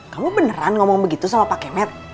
kamu beneran ngomong begitu sama pak kemet